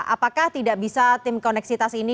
apakah tidak bisa tim koneksitas ini